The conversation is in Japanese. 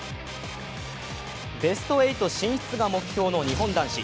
ベスト８進出が目標の日本男子。